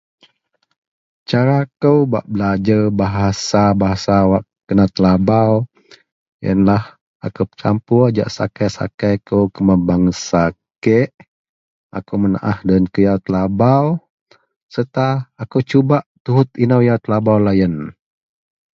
Cara kou bak belajer bahasa - bahasa wak kena telabau yenlah, akou pecampur jahak sakai-sakai kou kuman bangsa kek. Akou menaah doyen kiyau telabau serta akou cubak tuhut, inou yau telabau loyen